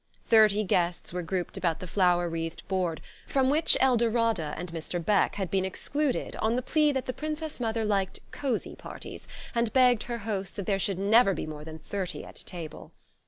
Thirty guests were grouped about the flower wreathed board, from which Eldorada and Mr. Beck had been excluded on the plea that the Princess Mother liked cosy parties and begged her hosts that there should never be more than thirty at table.